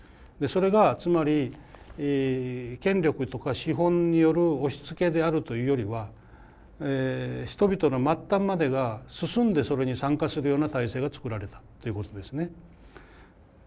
それがつまり権力とか資本による押しつけであるというよりは人々の末端までが進んでそれに参加するような体制が作られたということですね。